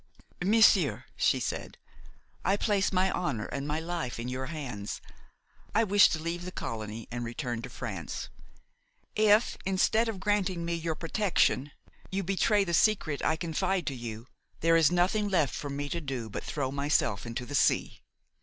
"Monsieur," she said, "I place my honor and my life in your hands. I wish to leave the colony and return to France. If, instead of granting me your protection, you betray the secret I confide to you, there is nothing left for me to do but throw myself into the sea."